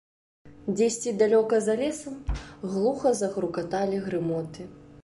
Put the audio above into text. Дзесьці далёка за лесам глуха загрукаталі грымоты.